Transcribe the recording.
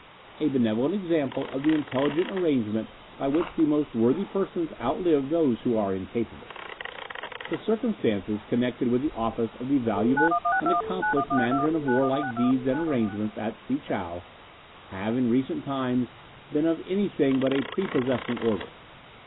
A Benevolent Example of the Intelligent Arrangement by which the most Worthy Persons outlive those who are Incapable. The circumstances connected with the office of the valuable and accomplished Mandarin of Warlike Deeds and Arrangements at Si chow have, in recent times, been of anything but a prepossessing order.